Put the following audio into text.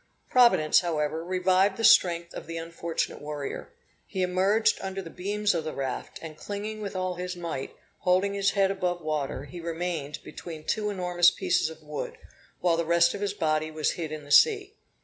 Providence, however, revived the strength of the unfortunate warrior. He emerged under the beams of the raft, and clinging with all his might, holding his head above water, he remained between two enormous pieces of wood, while the rest of his body was hid in the sea.